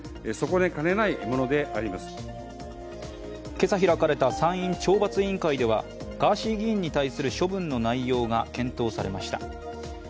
今朝、開かれた参院・懲罰委員会ではガーシー議員に対する処分の内容が検討されました。